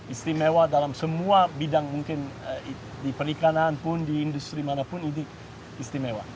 istimewa dalam semua bidang mungkin di perikanan pun di industri manapun ini istimewa